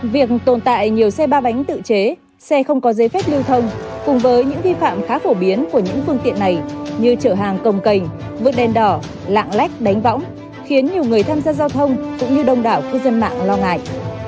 việc tồn tại nhiều xe ba bánh tự chế xe không có giấy phép lưu thông cùng với những vi phạm khá phổ biến của những phương tiện này như chở hàng công cành vượt đèn đỏ lạng lách đánh võng khiến nhiều người tham gia giao thông cũng như đông đảo cư dân mạng lo ngại